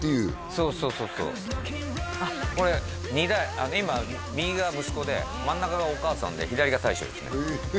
そうそうそうそうこれ２代今右が息子で真ん中がお母さんで左が大将ですね